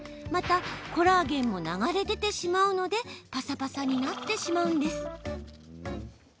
また、コラーゲンも流れ出てしまうのでぱさぱさになってしまうんです。